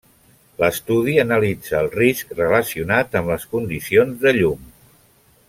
L'estudi analitza el risc relacionat amb les condicions de llum.